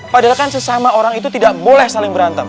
padahal kan sesama orang itu tidak boleh saling berantem